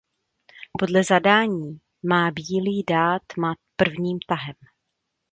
Podle zadání má bílý dát mat prvním tahem.